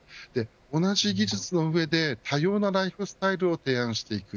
同じ技術の上で、多様なライフスタイルを提案していく。